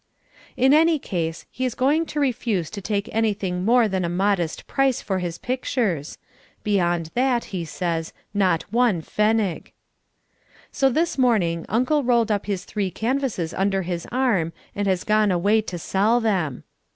In any case he is going to refuse to take anything more than a modest price for his pictures. Beyond that, he says, not one pfennig. So this morning Uncle rolled up his three canvasses under his arm and has gone away to sell them.